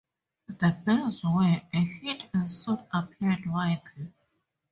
The bears were a hit and soon appeared widely.